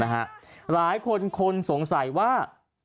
หลายคนคนสงสัยว่า